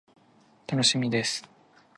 楽しみです。